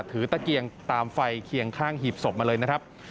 ตะเกียงตามไฟเคียงข้างหีบศพมาเลยนะครับ